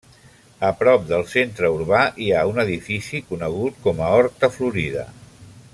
A prop del centre urbà hi ha un edifici conegut com a Horta Florida.